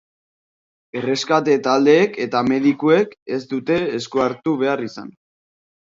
Erreskate taldeek eta medikuek ez dute esku hartu behar izan.